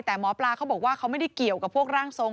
แต่หมอปลาเขาบอกว่าเขาไม่ได้เกี่ยวกับพวกร่างทรง